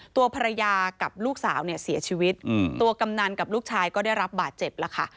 ตัวภรรยากับลูกสาวเนี่ยเสียชีวิตตัวกำนันกับลูกชายก็ได้รับบาดเจ็บแล้วค่ะ